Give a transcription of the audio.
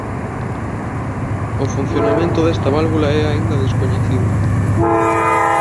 O funcionamento desta válvula é aínda descoñecido.